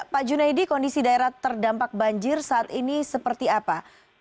pak junaidi kondisi daerah terdampak banjir saat ini seperti apa